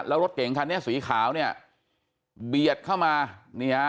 แล้วรถเก่งคันนี้สีขาวเนี่ยเบียดเข้ามานี่ฮะ